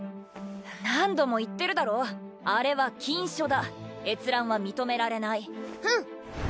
何度も言ってるだろうあれは禁書だ閲覧は認められないフン！